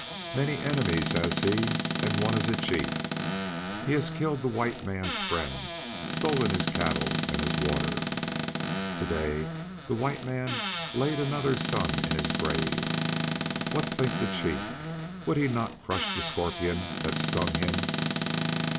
Many enemies has he and one is a chief. He has killed the white man's friends, stolen his cattle, and his water. To day the white man laid another son in his grave. What thinks the chief? Would he not crush the scorpion that stung him?"